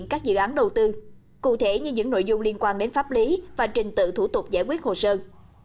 cụ thể như những nội dung liên quan đến pháp lý và trình tự thủ tục giải quyết hồ sơn